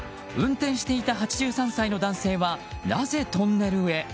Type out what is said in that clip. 運転していた８３歳の男性はなぜトンネルへ？